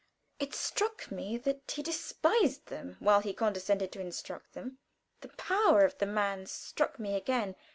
It struck me that he despised them while he condescended to instruct them. The power of the man struck me again.